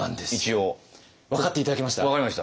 分かって頂けました？